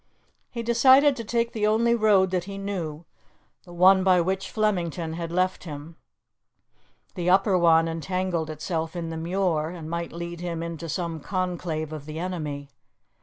He decided to take the only road that he knew, the one by which Flemington had left him. The upper one entangled itself in the Muir, and might lead him into some conclave of the enemy.